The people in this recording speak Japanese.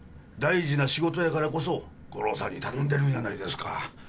大事な仕事やからこそ五郎さんに頼んでるんやないですか。